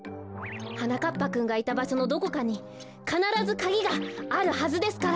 はなかっぱくんがいたばしょのどこかにかならずカギがあるはずですから！